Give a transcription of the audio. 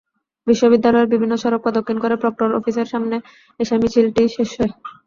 বিশ্ববিদ্যালয়ের বিভিন্ন সড়ক প্রদক্ষিণ করে প্রক্টর অফিসের সামনে এসে মিছিলটি শেষ হয়।